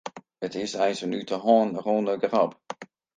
It is eins in út 'e hân rûne grap.